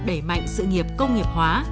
đẩy mạnh sự nghiệp công nghiệp hóa